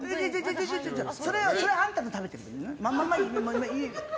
それ、あんたの食べてる量。